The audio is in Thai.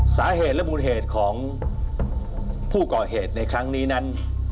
สาเหตุและมูลเหตุของผู้ก่อเหตุในครั้งนี้นั้น